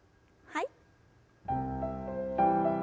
はい。